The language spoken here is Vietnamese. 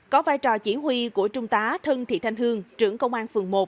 có vai trò chỉ huy của trung tá thân thị thanh hương trưởng công an phường một